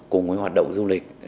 cùng với hoạt động du lịch